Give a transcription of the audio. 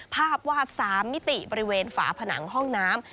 ภาพวาด๓มิติบริเวณฝาผนังห้องน้ำ